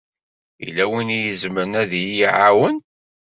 Yella win i izemren ad yi-iɛawen?